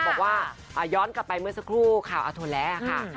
บอกว่าย้อนกลับไปเมื่อสักครู่ข่าวอัธนแล้วค่ะ